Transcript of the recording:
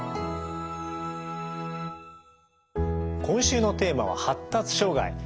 今週のテーマは「発達障害」。